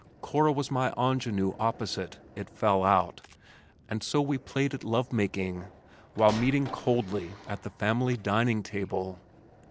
Cora was my ingenue opposite, it fell out, and so we played at love making, while meeting coldly at the family dining table.